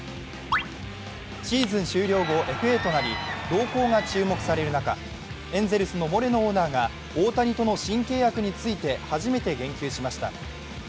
シーズン終了後、ＦＡとなり動向が注目される中、エンゼルスのモレノオーナーが大谷との新契約について初めて言及しました。